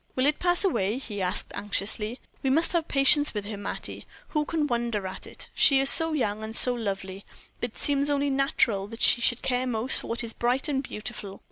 "Will it pass away?" he asked, anxiously. "We must have patience with her, Mattie. Who can wonder at it? She is so young and so lovely, it seems only natural that she should care most for what is bright and beautiful.